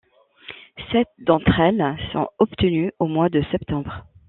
Sept d'entre elles sont obtenues au mois de septembre.